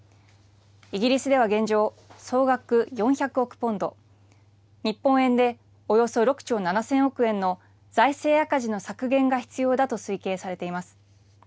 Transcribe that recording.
イギリスでは現状、総額４００億ポンド、日本円でおよそ６兆７０００億円の財政赤字の削減が必要だと推計されています。